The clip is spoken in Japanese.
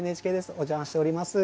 お邪魔しております。